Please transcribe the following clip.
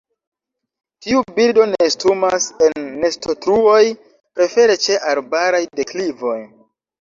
Tiu birdo nestumas en nestotruoj, prefere ĉe arbaraj deklivoj.